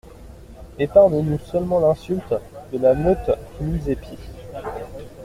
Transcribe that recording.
Epargne-nous seulement l'insulte de la meute qui nous épie!